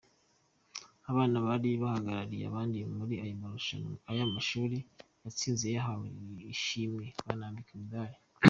Abana bari bahagarariye abandi muri aya mashuri yatsinze bahawe ishimwe banambikwa imidari.